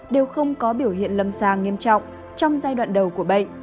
đều không có biểu hiện lâm sàng nghiêm trọng trong giai đoạn đầu của bệnh